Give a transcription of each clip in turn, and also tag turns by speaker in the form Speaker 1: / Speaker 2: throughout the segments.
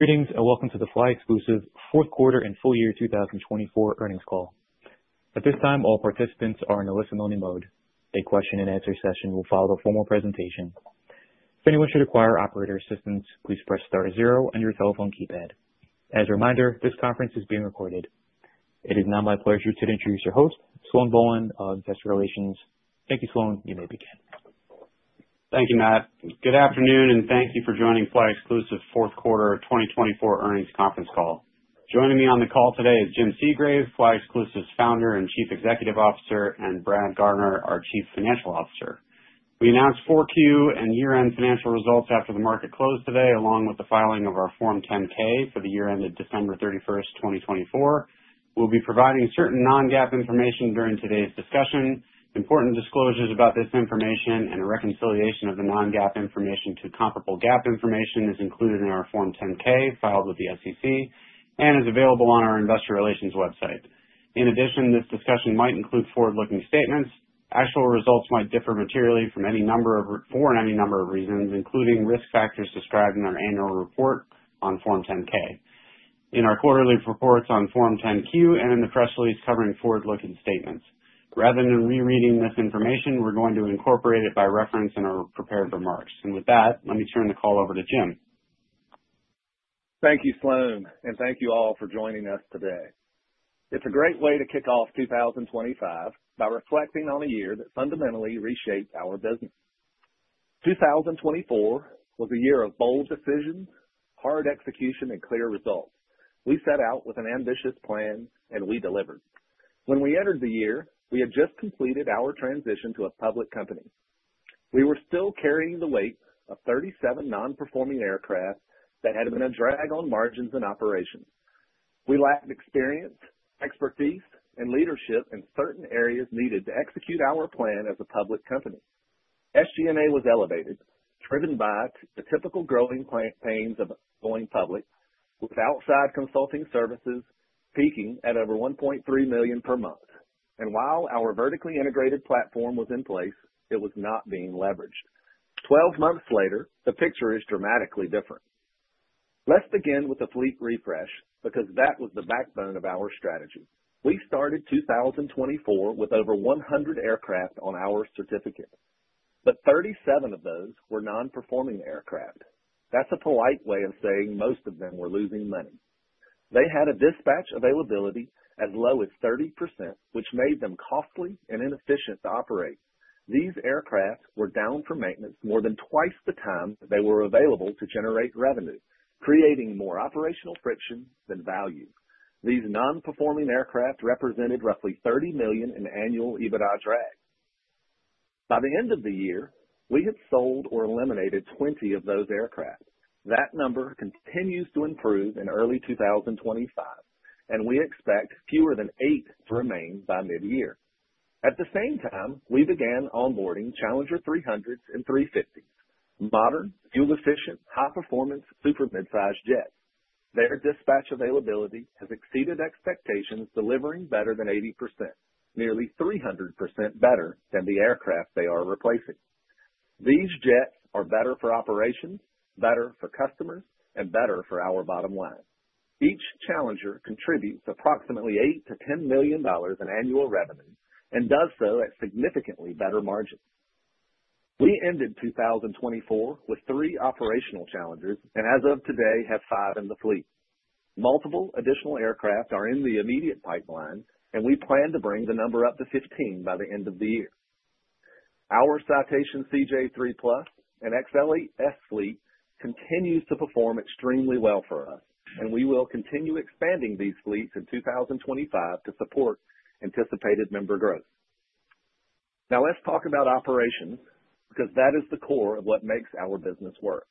Speaker 1: Greetings and welcome to the flyExclusive fourth quarter and full year 2024 earnings call. At this time, all participants are in a listen-only mode. A question-and-answer session will follow the formal presentation. If anyone should require operator assistance, please press star zero on your telephone keypad. As a reminder, this conference is being recorded. It is now my pleasure to introduce your host, Sloan Bohlen, of Investor Relations. Thank you, Sloan. You may begin.
Speaker 2: Thank you, Matt. Good afternoon, and thank you for joining flyExclusive fourth quarter 2024 earnings conference call. Joining me on the call today is Jim Seagrave, flyExclusive's founder and Chief Executive Officer, and Brad Garner, our Chief Financial Officer. We announced 4Q and year-end financial results after the market closed today, along with the filing of our Form 10-K for the year ended December 31st, 2024. We'll be providing certain non-GAAP information during today's discussion. Important disclosures about this information and a reconciliation of the non-GAAP information to comparable GAAP information is included in our Form 10-K filed with the SEC and is available on our Investor Relations website. In addition, this discussion might include forward-looking statements. Actual results might differ materially from any number of reasons, including risk factors described in our annual report on Form 10-K, in our quarterly reports on Form 10-Q, and in the press release covering forward-looking statements. Rather than rereading this information, we're going to incorporate it by reference in our prepared remarks, and with that, let me turn the call over to Jim.
Speaker 3: Thank you, Sloan, and thank you all for joining us today. It's a great way to kick off 2025 by reflecting on a year that fundamentally reshaped our business. 2024 was a year of bold decisions, hard execution, and clear results. We set out with an ambitious plan, and we delivered. When we entered the year, we had just completed our transition to a public company. We were still carrying the weight of 37 non-performing aircraft that had been a drag on margins and operations. We lacked experience, expertise, and leadership in certain areas needed to execute our plan as a public company. SG&A was elevated, driven by the typical growing pains of going public with outside consulting services peaking at over $1.3 million per month. And while our vertically integrated platform was in place, it was not being leveraged. Twelve months later, the picture is dramatically different. Let's begin with a fleet refresh because that was the backbone of our strategy. We started 2024 with over 100 aircraft on our certificate, but 37 of those were non-performing aircraft. That's a polite way of saying most of them were losing money. They had a dispatch availability as low as 30%, which made them costly and inefficient to operate. These aircraft were down for maintenance more than twice the time they were available to generate revenue, creating more operational friction than value. These non-performing aircraft represented roughly $30 million in annual EBITDA drag. By the end of the year, we had sold or eliminated 20 of those aircraft. That number continues to improve in early 2025, and we expect fewer than eight to remain by mid-year. At the same time, we began onboarding Challenger 300 and 350, modern, fuel-efficient, high-performance super midsize jets. Their dispatch availability has exceeded expectations, delivering better than 80%, nearly 300% better than the aircraft they are replacing. These jets are better for operations, better for customers, and better for our bottom line. Each Challenger contributes approximately $8 million-$10 million in annual revenue and does so at significantly better margins. We ended 2024 with three operational Challengers and, as of today, have five in the fleet. Multiple additional aircraft are in the immediate pipeline, and we plan to bring the number up to 15 by the end of the year. Our Citation CJ3+ and XLS fleet continues to perform extremely well for us, and we will continue expanding these fleets in 2025 to support anticipated member growth. Now, let's talk about operations because that is the core of what makes our business work.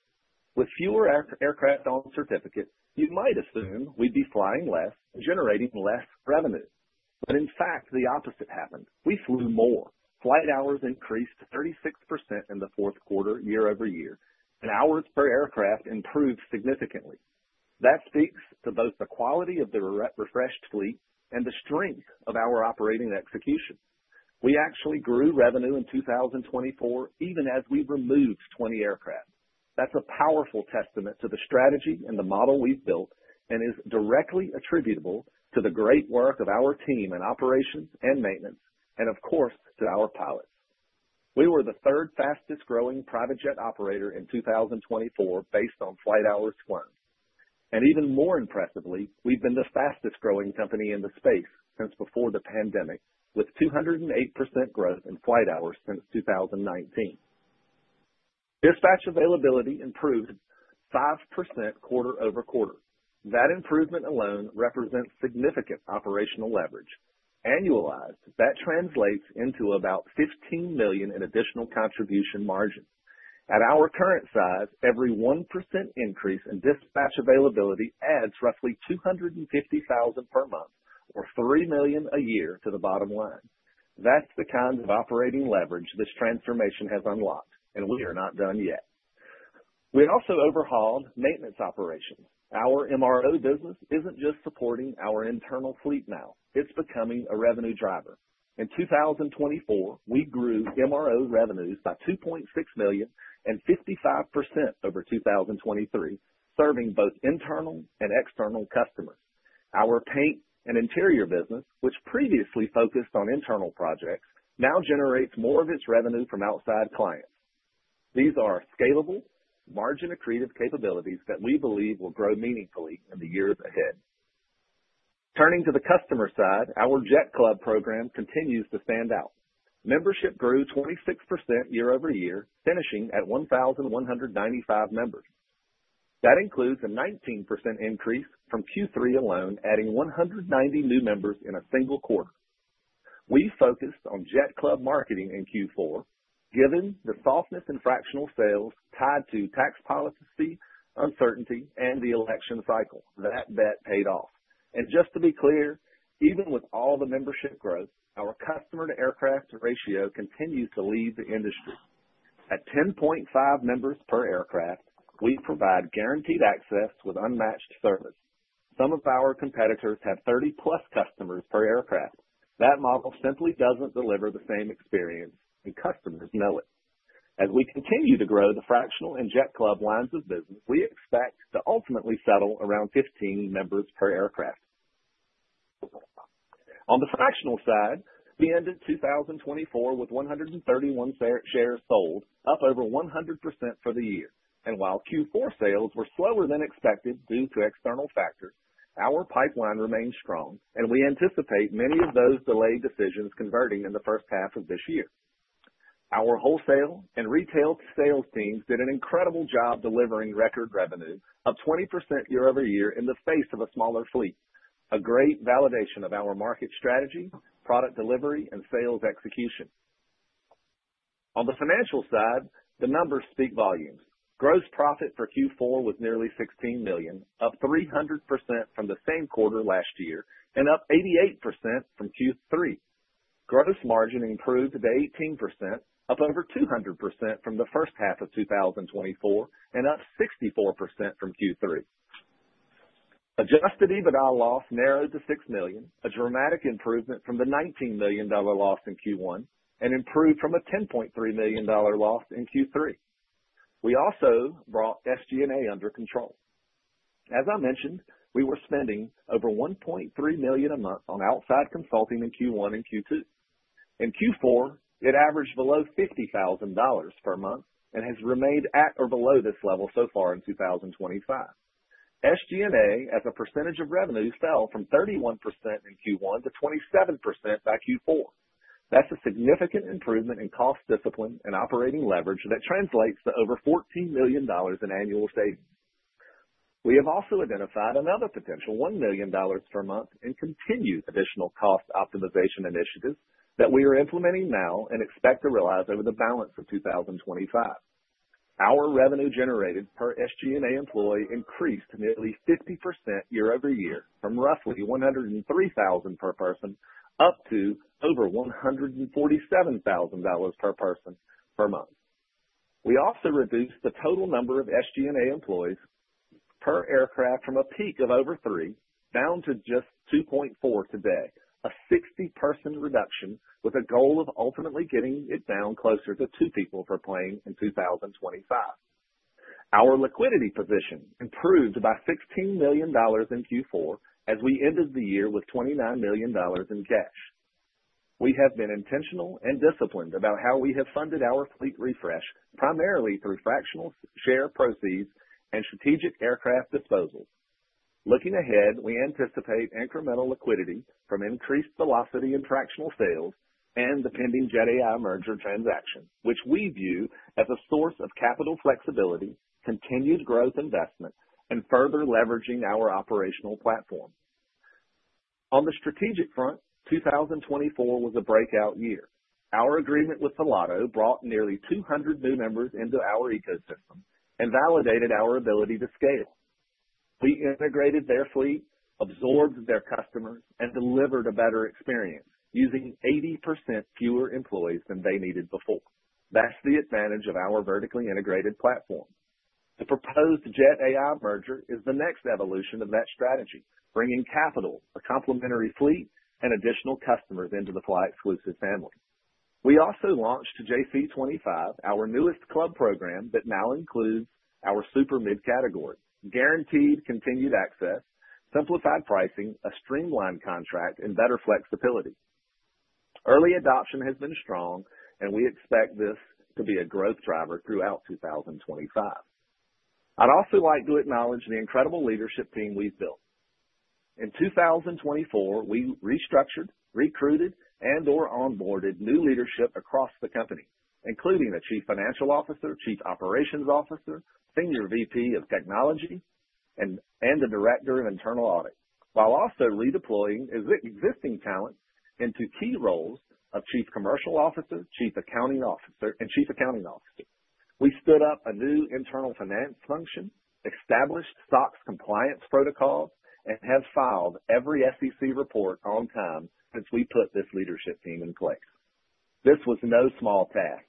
Speaker 3: With fewer aircraft on certificate, you might assume we'd be flying less and generating less revenue. But in fact, the opposite happened. We flew more. Flight hours increased 36% in the fourth quarter year-over-year, and hours per aircraft improved significantly. That speaks to both the quality of the refreshed fleet and the strength of our operating execution. We actually grew revenue in 2024 even as we removed 20 aircraft. That's a powerful testament to the strategy and the model we've built, and is directly attributable to the great work of our team in operations and maintenance and, of course, to our pilots. We were the third fastest growing private jet operator in 2024 based on flight hours flown, and even more impressively, we've been the fastest growing company in the space since before the pandemic, with 208% growth in flight hours since 2019. Dispatch availability improved 5% quarter-over-quarter. That improvement alone represents significant operational leverage. Annualized, that translates into about $15 million in additional contribution margin. At our current size, every 1% increase in dispatch availability adds roughly $250,000 per month or $3 million a year to the bottom line. That's the kind of operating leverage this transformation has unlocked, and we are not done yet. We also overhauled maintenance operations. Our MRO business isn't just supporting our internal fleet now. It's becoming a revenue driver. In 2024, we grew MRO revenues by $2.6 million and 55% over 2023, serving both internal and external customers. Our paint and interior business, which previously focused on internal projects, now generates more of its revenue from outside clients. These are scalable, margin-accretive capabilities that we believe will grow meaningfully in the years ahead. Turning to the customer side, our Jet Club program continues to stand out. Membership grew 26% year-over-year, finishing at 1,195 members. That includes a 19% increase from Q3 alone, adding 190 new members in a single quarter. We focused on Jet Club marketing in Q4. Given the softness in fractional sales tied to tax policy, uncertainty, and the election cycle, that bet paid off, and just to be clear, even with all the membership growth, our customer-to-aircraft ratio continues to lead the industry. At 10.5 members per aircraft, we provide guaranteed access with unmatched service. Some of our competitors have 30-plus customers per aircraft. That model simply doesn't deliver the same experience, and customers know it. As we continue to grow the fractional and Jet Club lines of business, we expect to ultimately settle around 15 members per aircraft. On the fractional side, we ended 2024 with 131 shares sold, up over 100% for the year. And while Q4 sales were slower than expected due to external factors, our pipeline remains strong, and we anticipate many of those delayed decisions converting in the first half of this year. Our wholesale and retail sales teams did an incredible job delivering record revenue of 20% year-over-year in the face of a smaller fleet. A great validation of our market strategy, product delivery, and sales execution. On the financial side, the numbers speak volumes. Gross profit for Q4 was nearly $16 million, up 300% from the same quarter last year and up 88% from Q3. Gross margin improved to 18%, up over 200% from the first half of 2024, and up 64% from Q3. Adjusted EBITDA loss narrowed to $6 million, a dramatic improvement from the $19 million loss in Q1 and improved from a $10.3 million loss in Q3. We also brought SG&A under control. As I mentioned, we were spending over $1.3 million a month on outside consulting in Q1 and Q2. In Q4, it averaged below $50,000 per month and has remained at or below this level so far in 2025. SG&A, as a percentage of revenue, fell from 31% in Q1 to 27% by Q4. That's a significant improvement in cost discipline and operating leverage that translates to over $14 million in annual savings. We have also identified another potential $1 million per month and continued additional cost optimization initiatives that we are implementing now and expect to realize over the balance of 2025. Our revenue generated per SG&A employee increased nearly 50% year-over-year from roughly $103,000 per person up to over $147,000 per person per month. We also reduced the total number of SG&A employees per aircraft from a peak of over three down to just 2.4 today, a 60-person reduction with a goal of ultimately getting it down closer to two people per plane in 2025. Our liquidity position improved by $16 million in Q4 as we ended the year with $29 million in cash. We have been intentional and disciplined about how we have funded our fleet refresh, primarily through fractional share proceeds and strategic aircraft disposals. Looking ahead, we anticipate incremental liquidity from increased velocity in fractional sales and the pending Jet.AI merger transaction, which we view as a source of capital flexibility, continued growth investment, and further leveraging our operational platform. On the strategic front, 2024 was a breakout year. Our agreement with Volato brought nearly 200 new members into our ecosystem and validated our ability to scale. We integrated their fleet, absorbed their customers, and delivered a better experience using 80% fewer employees than they needed before. That's the advantage of our vertically integrated platform. The proposed Jet.AI merger is the next evolution of that strategy, bringing capital, a complementary fleet, and additional customers into the flyExclusive family. We also launched JC25, our newest club program that now includes our super mid category, guaranteed continued access, simplified pricing, a streamlined contract, and better flexibility. Early adoption has been strong, and we expect this to be a growth driver throughout 2025. I'd also like to acknowledge the incredible leadership team we've built. In 2024, we restructured, recruited, and/or onboarded new leadership across the company, including a Chief Financial Officer, Chief Operations Officer, Senior VP of Technology, and a Director of Internal Audit, while also redeploying existing talent into key roles of Chief Commercial Officer, Chief Accounting Officer, and Chief Accounting Officer. We stood up a new internal finance function, established SOX compliance protocols, and have filed every SEC report on time since we put this leadership team in place. This was no small task,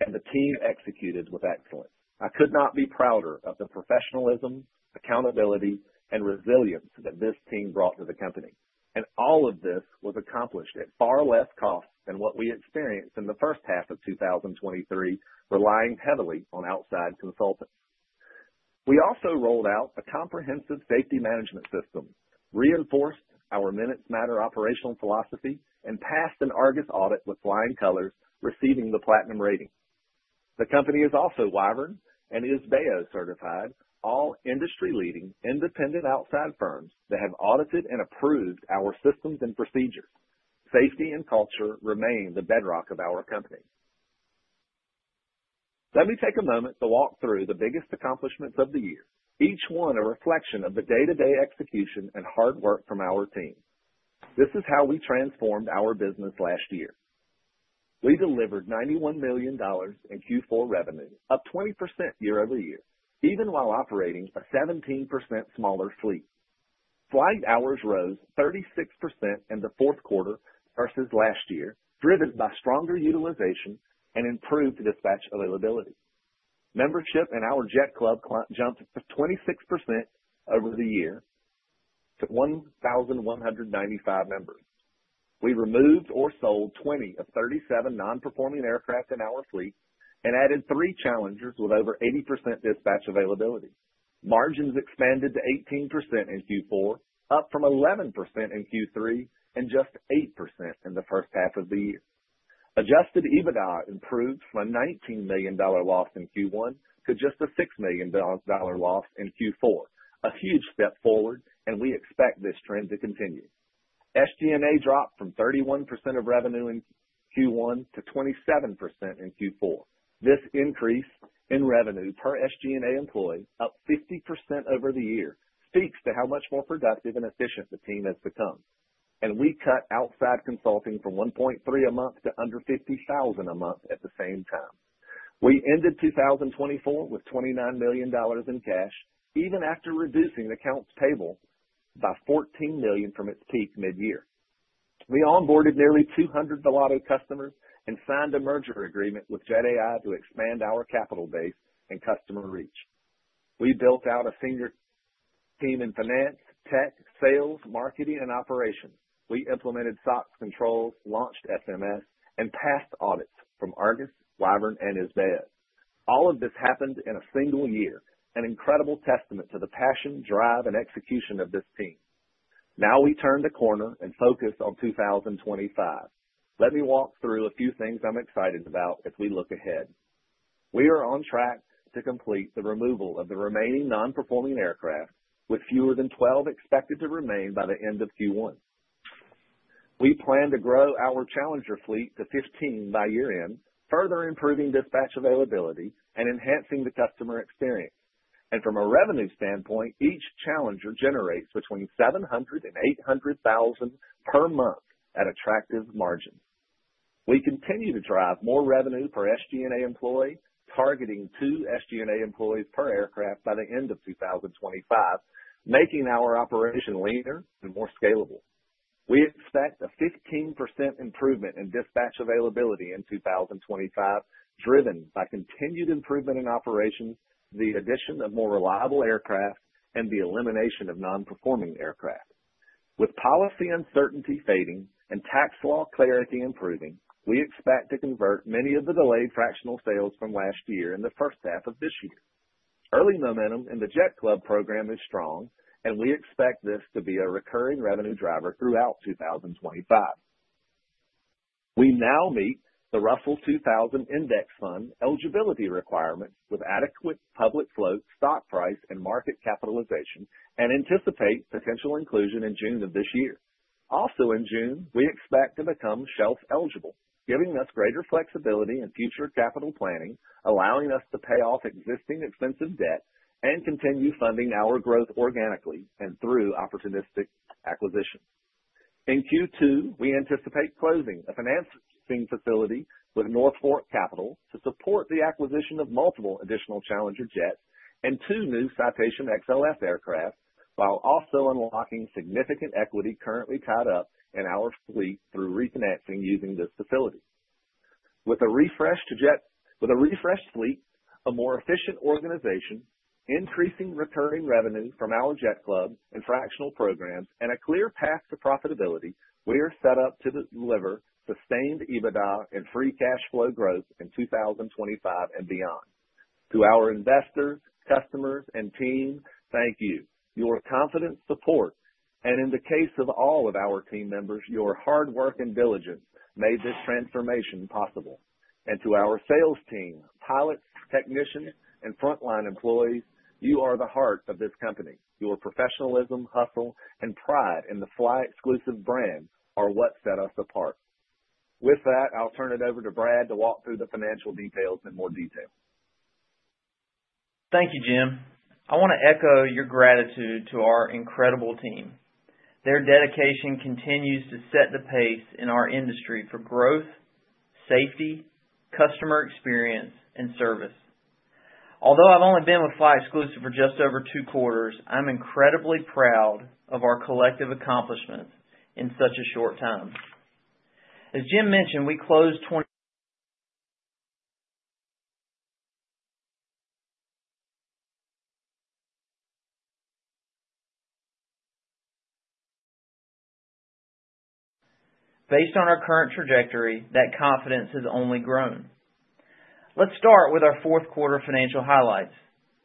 Speaker 3: and the team executed with excellence. I could not be prouder of the professionalism, accountability, and resilience that this team brought to the company. And all of this was accomplished at far less cost than what we experienced in the first half of 2023, relying heavily on outside consultants. We also rolled out a comprehensive safety management system, reinforced our Minutes Matter operational philosophy, and passed an ARGUS audit with flying colors, receiving the Platinum Rating. The company is also WYVERN- and IS-BAO-certified, all industry-leading independent outside firms that have audited and approved our systems and procedures. Safety and culture remain the bedrock of our company. Let me take a moment to walk through the biggest accomplishments of the year, each one a reflection of the day-to-day execution and hard work from our team. This is how we transformed our business last year. We delivered $91 million in Q4 revenue, up 20% year-over-year, even while operating a 17% smaller fleet. Flight hours rose 36% in the fourth quarter versus last year, driven by stronger utilization and improved dispatch availability. Membership in our Jet Club jumped to 26% over the year to 1,195 members. We removed or sold 20 of 37 non-performing aircraft in our fleet and added three Challengers with over 80% dispatch availability. Margins expanded to 18% in Q4, up from 11% in Q3 and just 8% in the first half of the year. Adjusted EBITDA improved from a $19 million loss in Q1 to just a $6 million loss in Q4, a huge step forward, and we expect this trend to continue. SG&A dropped from 31% of revenue in Q1 to 27% in Q4. This increase in revenue per SG&A employee, up 50% over the year, speaks to how much more productive and efficient the team has become, and we cut outside consulting from $1.3 million a month to under $50,000 a month at the same time. We ended 2024 with $29 million in cash, even after reducing accounts payable by $14 million from its peak mid-year. We onboarded nearly 200 Volato customers and signed a merger agreement with Jet.AI to expand our capital base and customer reach. We built out a senior team in finance, tech, sales, marketing, and operations. We implemented SOX controls, launched SMS, and passed audits from ARGUS, WYVERN, and IS-BAO. All of this happened in a single year, an incredible testament to the passion, drive, and execution of this team. Now we turn the corner and focus on 2025. Let me walk through a few things I'm excited about as we look ahead. We are on track to complete the removal of the remaining non-performing aircraft, with fewer than 12 expected to remain by the end of Q1. We plan to grow our Challenger fleet to 15 by year-end, further improving dispatch availability and enhancing the customer experience. From a revenue standpoint, each Challenger generates between $700,000 and $800,000 per month at attractive margins. We continue to drive more revenue per SG&A employee, targeting two SG&A employees per aircraft by the end of 2025, making our operation leaner and more scalable. We expect a 15% improvement in dispatch availability in 2025, driven by continued improvement in operations, the addition of more reliable aircraft, and the elimination of non-performing aircraft. With policy uncertainty fading and tax law clarity improving, we expect to convert many of the delayed fractional sales from last year in the first half of this year. Early momentum in the Jet Club program is strong, and we expect this to be a recurring revenue driver throughout 2025. We now meet the Russell 2000 Index eligibility requirements with adequate public float stock price and market capitalization and anticipate potential inclusion in June of this year. Also in June, we expect to become shelf eligible, giving us greater flexibility in future capital planning, allowing us to pay off existing expensive debt and continue funding our growth organically and through opportunistic acquisitions. In Q2, we anticipate closing a financing facility with North Fork Capital to support the acquisition of multiple additional Challenger jets and two new Citation XLS aircraft, while also unlocking significant equity currently tied up in our fleet through refinancing using this facility. With a refreshed fleet, a more efficient organization, increasing recurring revenue from our Jet Club and fractional programs, and a clear path to profitability, we are set up to deliver sustained EBITDA and free cash flow growth in 2025 and beyond. To our investors, customers, and team, thank you. Your confident support, and in the case of all of our team members, your hard work and diligence made this transformation possible. To our sales team, pilots, technicians, and frontline employees, you are the heart of this company. Your professionalism, hustle, and pride in the flyExclusive brand are what set us apart. With that, I'll turn it over to Brad to walk through the financial details in more detail.
Speaker 4: Thank you, Jim. I want to echo your gratitude to our incredible team. Their dedication continues to set the pace in our industry for growth, safety, customer experience, and service. Although I've only been with flyExclusive for just over two quarters, I'm incredibly proud of our collective accomplishments in such a short time. As Jim mentioned, we closed based on our current trajectory that confidence has only grown. Let's start with our fourth quarter financial highlights.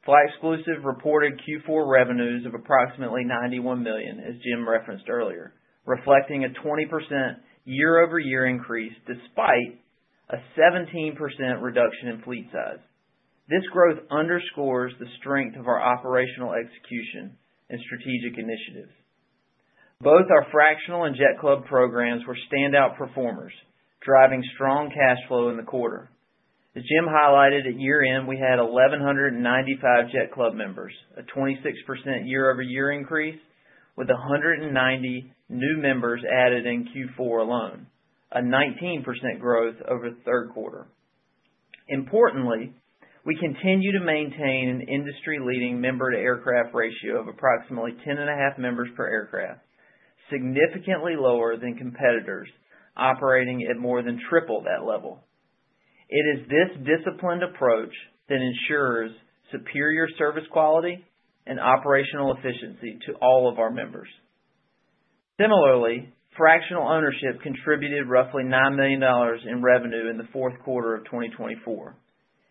Speaker 4: flyExclusive reported Q4 revenues of approximately $91 million, as Jim referenced earlier, reflecting a 20% year-over-year increase despite a 17% reduction in fleet size. This growth underscores the strength of our operational execution and strategic initiatives. Both our fractional and Jet Club programs were standout performers, driving strong cash flow in the quarter. As Jim highlighted at year-end, we had 1,195 Jet Club members, a 26% year-over-year increase with 190 new members added in Q4 alone, a 19% growth over the third quarter. Importantly, we continue to maintain an industry-leading member-to-aircraft ratio of approximately 10.5 members per aircraft, significantly lower than competitors operating at more than triple that level. It is this disciplined approach that ensures superior service quality and operational efficiency to all of our members. Similarly, fractional ownership contributed roughly $9 million in revenue in the fourth quarter of 2024,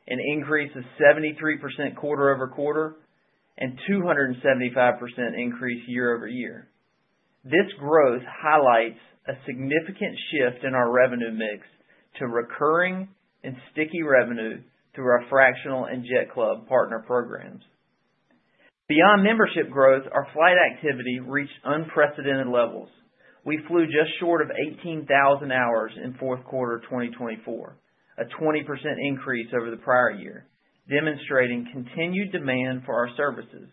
Speaker 4: an increase of 73% quarter-over-quarter and 275% increase year-over-year. This growth highlights a significant shift in our revenue mix to recurring and sticky revenue through our fractional and Jet Club partner programs. Beyond membership growth, our flight activity reached unprecedented levels. We flew just short of 18,000 hours in fourth quarter 2024, a 20% increase over the prior year, demonstrating continued demand for our services.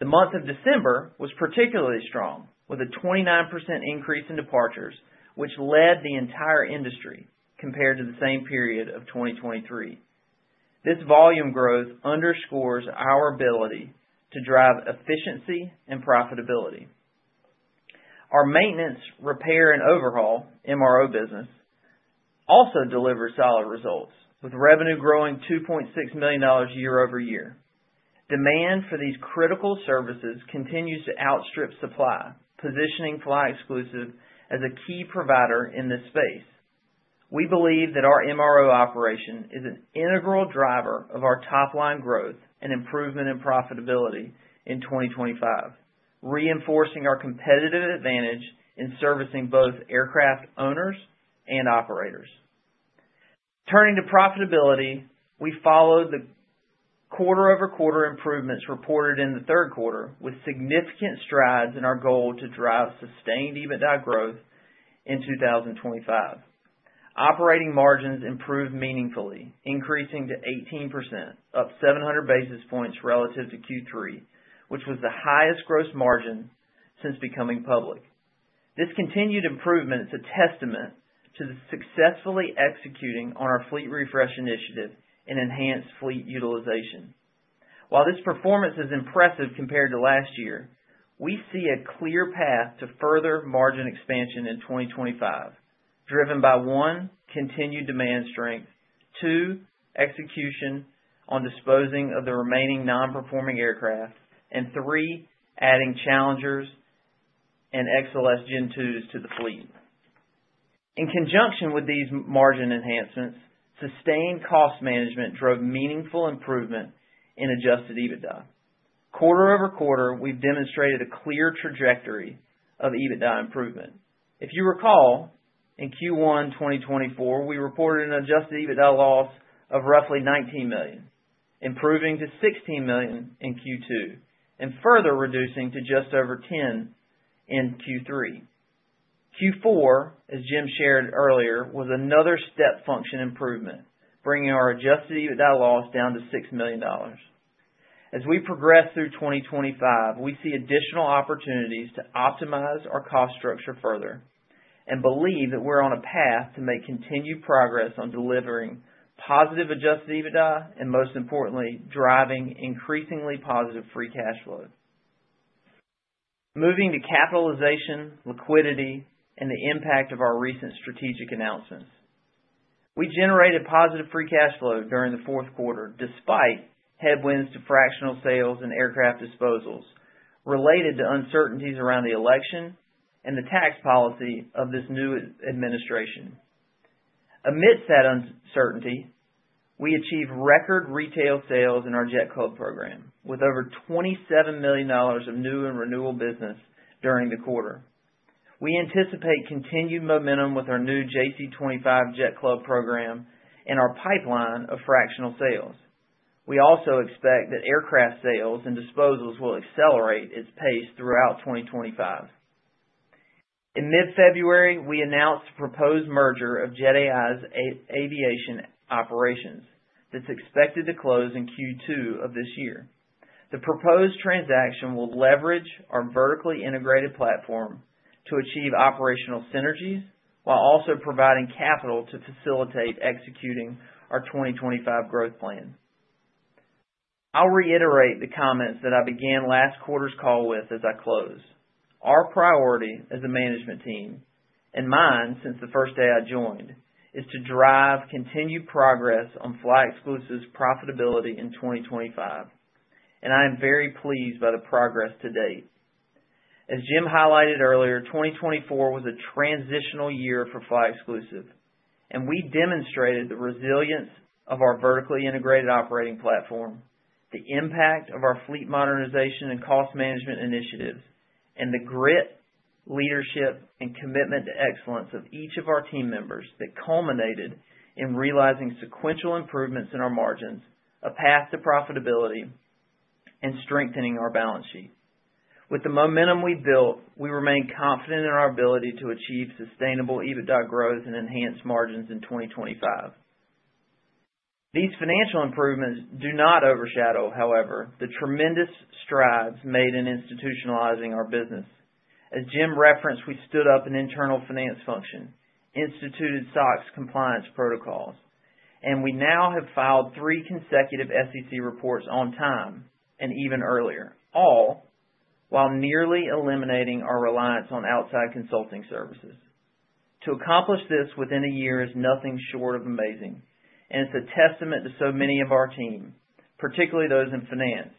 Speaker 4: The month of December was particularly strong, with a 29% increase in departures, which led the entire industry compared to the same period of 2023. This volume growth underscores our ability to drive efficiency and profitability. Our maintenance, repair, and overhaul MRO business also delivers solid results, with revenue growing $2.6 million year-over-year. Demand for these critical services continues to outstrip supply, positioning flyExclusive as a key provider in this space. We believe that our MRO operation is an integral driver of our top-line growth and improvement in profitability in 2025, reinforcing our competitive advantage in servicing both aircraft owners and operators. Turning to profitability, we followed the quarter-over-quarter improvements reported in the third quarter with significant strides in our goal to drive sustained EBITDA growth in 2025. Operating margins improved meaningfully, increasing to 18%, up 700 basis points relative to Q3, which was the highest gross margin since becoming public. This continued improvement is a testament to the successfully executing on our fleet refresh initiative and enhanced fleet utilization. While this performance is impressive compared to last year, we see a clear path to further margin expansion in 2025, driven by, one, continued demand strength, two, execution on disposing of the remaining non-performing aircraft, and three, adding Challengers and XLS Gen2s to the fleet. In conjunction with these margin enhancements, sustained cost management drove meaningful improvement in adjusted EBITDA. quarter-over-quarter, we've demonstrated a clear trajectory of EBITDA improvement. If you recall, in Q1 2024, we reported an adjusted EBITDA loss of roughly $19 million, improving to $16 million in Q2 and further reducing to just over $10 million in Q3. Q4, as Jim shared earlier, was another step function improvement, bringing our adjusted EBITDA loss down to $6 million. As we progress through 2025, we see additional opportunities to optimize our cost structure further and believe that we're on a path to make continued progress on delivering positive adjusted EBITDA and, most importantly, driving increasingly positive free cash flow. Moving to capitalization, liquidity, and the impact of our recent strategic announcements. We generated positive free cash flow during the fourth quarter despite headwinds to fractional sales and aircraft disposals related to uncertainties around the election and the tax policy of this new administration. Amidst that uncertainty, we achieved record retail sales in our Jet Club program with over $27 million of new and renewal business during the quarter. We anticipate continued momentum with our new JC25 Jet Club program and our pipeline of fractional sales. We also expect that aircraft sales and disposals will accelerate its pace throughout 2025. In mid-February, we announced the proposed merger of Jet.AI's aviation operations that's expected to close in Q2 of this year. The proposed transaction will leverage our vertically integrated platform to achieve operational synergies while also providing capital to facilitate executing our 2025 growth plan. I'll reiterate the comments that I began last quarter's call with as I close. Our priority as a management team, and mine since the first day I joined, is to drive continued progress on flyExclusive's profitability in 2025. And I am very pleased by the progress to date. As Jim highlighted earlier, 2024 was a transitional year for flyExclusive, and we demonstrated the resilience of our vertically integrated operating platform, the impact of our fleet modernization and cost management initiatives, and the grit, leadership, and commitment to excellence of each of our team members that culminated in realizing sequential improvements in our margins, a path to profitability, and strengthening our balance sheet. With the momentum we built, we remain confident in our ability to achieve sustainable EBITDA growth and enhanced margins in 2025. These financial improvements do not overshadow, however, the tremendous strides made in institutionalizing our business. As Jim referenced, we stood up an internal finance function, instituted SOX compliance protocols, and we now have filed three consecutive SEC reports on time and even earlier, all while nearly eliminating our reliance on outside consulting services. To accomplish this within a year is nothing short of amazing, and it's a testament to so many of our team, particularly those in finance.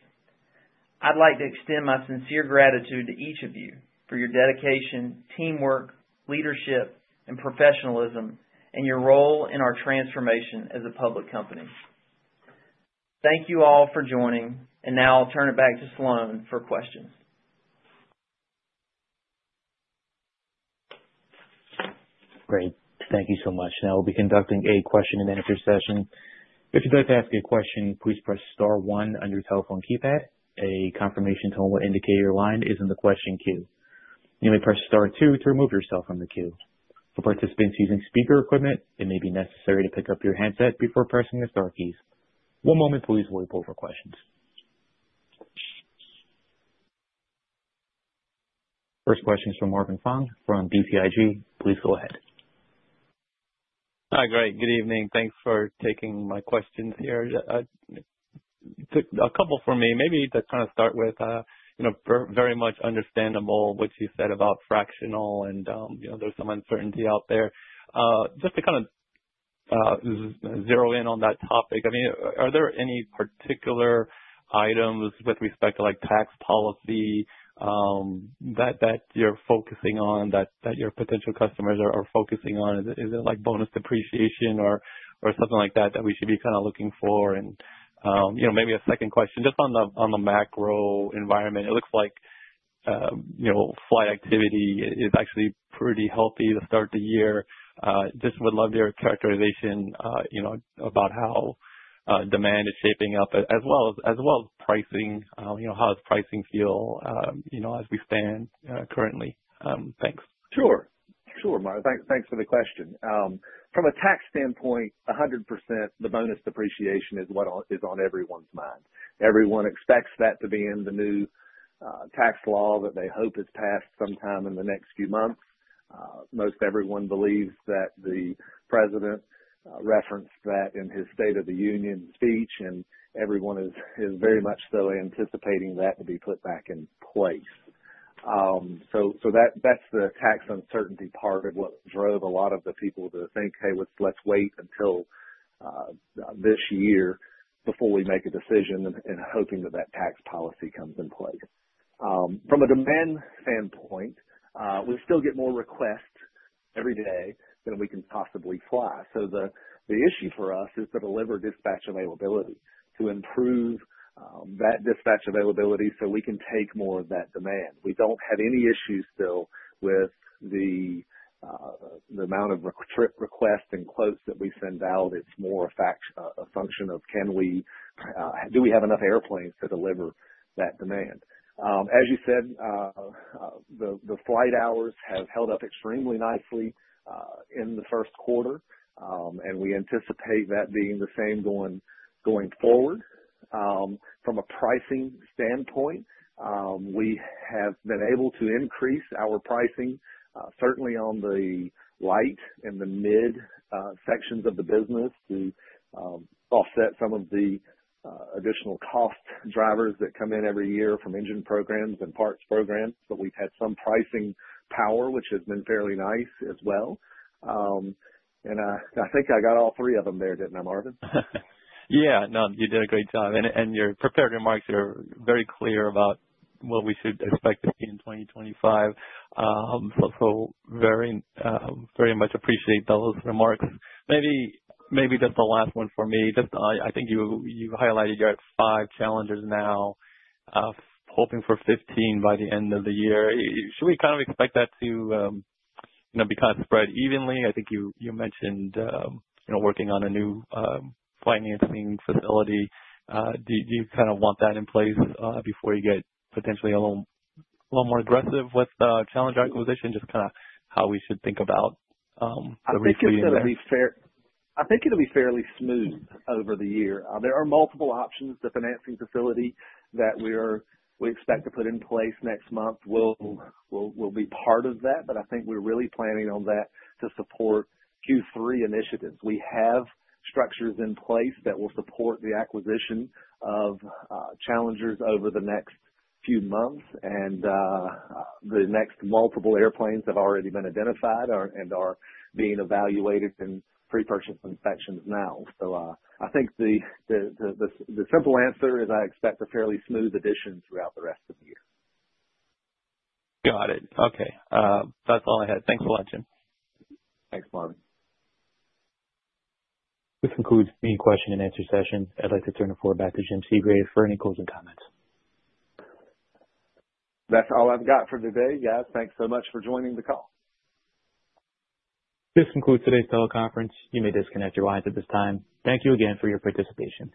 Speaker 4: I'd like to extend my sincere gratitude to each of you for your dedication, teamwork, leadership, and professionalism, and your role in our transformation as a public company. Thank you all for joining, and now I'll turn it back to Sloan for questions.
Speaker 1: Great. Thank you so much. Now we'll be conducting a question-and-answer session. If you'd like to ask a question, please press star one on your telephone keypad. A confirmation tone will indicate your line is in the question queue. You may press star two to remove yourself from the queue. For participants using speaker equipment, it may be necessary to pick up your handset before pressing the Star keys. One moment, please, while we pull up our questions. First question is from Marvin Fong from BTIG. Please go ahead.
Speaker 5: Hi, Greg. Good evening. Thanks for taking my questions here. A couple for me, maybe to kind of start with, very much understandable what you said about fractional and there's some uncertainty out there. Just to kind of zero in on that topic, I mean, are there any particular items with respect to tax policy that you're focusing on, that your potential customers are focusing on? Is there bonus depreciation or something like that that we should be kind of looking for? And maybe a second question, just on the macro environment. It looks like flight activity is actually pretty healthy to start the year. Just would love your characterization about how demand is shaping up, as well as pricing. How does pricing feel as we stand currently? Thanks.
Speaker 3: Sure. Sure, Marvin. Thanks for the question. From a tax standpoint, 100%, the bonus depreciation is on everyone's mind. Everyone expects that to be in the new tax law that they hope is passed sometime in the next few months. Most everyone believes that the president referenced that in his State of the Union speech, and everyone is very much so anticipating that to be put back in place. So that's the tax uncertainty part of what drove a lot of the people to think, "Hey, let's wait until this year before we make a decision and hoping that that tax policy comes in play." From a demand standpoint, we still get more requests every day than we can possibly fly. So the issue for us is to deliver dispatch availability, to improve that dispatch availability so we can take more of that demand. We don't have any issues still with the amount of requests and quotes that we send out. It's more a function of, do we have enough airplanes to deliver that demand? As you said, the flight hours have held up extremely nicely in the first quarter, and we anticipate that being the same going forward. From a pricing standpoint, we have been able to increase our pricing, certainly on the light and the mid sections of the business to offset some of the additional cost drivers that come in every year from engine programs and parts programs. But we've had some pricing power, which has been fairly nice as well. And I think I got all three of them there, didn't I, Marvin?
Speaker 5: Yeah. No, you did a great job. And your prepared remarks are very clear about what we should expect to see in 2025. So very much appreciate those remarks. Maybe just the last one for me. I think you highlighted you're at five Challengers now, hoping for 15 by the end of the year. Should we kind of expect that to be kind of spread evenly? I think you mentioned working on a new financing facility. Do you kind of want that in place before you get potentially a little more aggressive with Challenger acquisition? Just kind of how we should think about the retail unit.
Speaker 3: I think it'll be fairly smooth over the year. There are multiple options. The financing facility that we expect to put in place next month will be part of that, but I think we're really planning on that to support Q3 initiatives. We have structures in place that will support the acquisition of Challengers over the next few months, and the next multiple airplanes have already been identified and are being evaluated in pre-purchase inspections now. So I think the simple answer is I expect a fairly smooth addition throughout the rest of the year.
Speaker 5: Got it. Okay. That's all I had. Thanks a lot, Jim.
Speaker 3: Thanks, Marvin.
Speaker 1: This concludes the question-and-answer session. I'd like to turn the floor back to Jim Segrave for any closing comments.
Speaker 3: That's all I've got for today. Yes, thanks so much for joining the call.
Speaker 1: This concludes today's teleconference. You may disconnect your lines at this time. Thank you again for your participation.